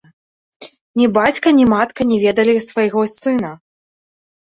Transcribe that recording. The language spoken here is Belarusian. Ні бацька, ні матка не ведалі свайго сына.